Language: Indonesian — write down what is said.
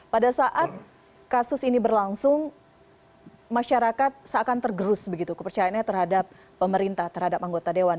pada saat kasus ini berlangsung masyarakat seakan tergerus begitu kepercayaannya terhadap pemerintah terhadap anggota dewan